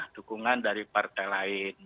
dukungan dari partai lain